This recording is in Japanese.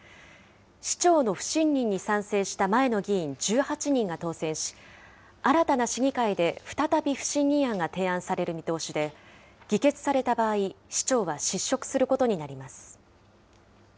市長の不信任に賛成した前の議員１８人が当選し、新たな市議会で再び不信任案が提案される見通しで、議決された場合、市長は失職することになります。